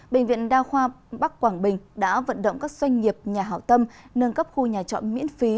bệnh viện đa khoa bắc quảng bình đã vận động các doanh nghiệp nhà hảo tâm nâng cấp khu nhà chọn miễn phí